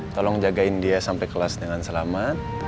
tolong jagain dia sampai kelas dengan selamat